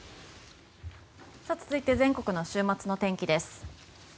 続いて全国の週末の天気です。